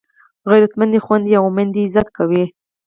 غیرتمند خویندي او میندې عزت کوي